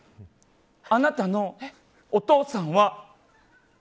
あなたのお父さんは。